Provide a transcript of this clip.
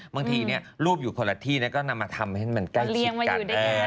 บางทีรูปอยู่คนละทีก็มาทำให้มันใกล้ชิด